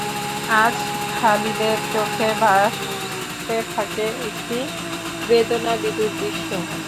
আজ খালিদের চোখে ভাসতে থাকে একটি বেদনাবিধুর দৃশ্য।